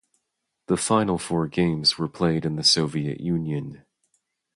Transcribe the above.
The final four games were played in the Soviet Union.